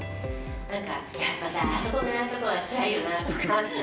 なんか、やっぱさー、あそこのなんとかはつらいよなーとか。